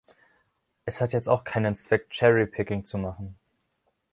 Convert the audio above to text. Es hat jetzt auch keinen Zweck, cherry picking zu machen.